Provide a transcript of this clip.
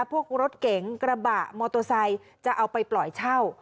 พวกรถเก๋งกระบะมอเตอร์ไซค์จะเอาไปปล่อยเช่า